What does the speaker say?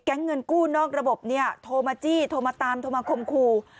แก๊งเงินกู้นอกระบบโทรมาจี้โทรมาตามโทรมาคมคู่